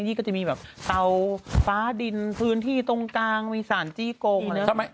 นี่ก็จะมีแบบเตาฟ้าดินพื้นที่ตรงกลางมีสารจี้กงเลย